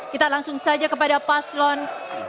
kita langsung saja kepada paslon dua